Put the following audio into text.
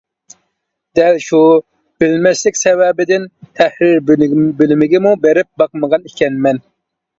دەل شۇ بىلمەسلىك سەۋەبىدىن تەھرىر بۆلۈمىگىمۇ بېرىپ باقمىغان ئىكەنمەن.